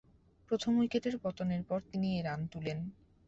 প্রথম উইকেটের পতনের পর তিনি এ রান তুলেন।